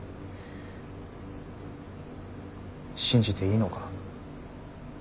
信じていいのか？